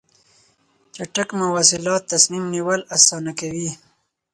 چټک مواصلات تصمیم نیول اسانه کوي.